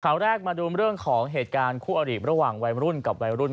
ข่าวแรกมาดูเรื่องของเหตุการณ์คู่อริระหว่างวัยรุ่นกับวัยรุ่น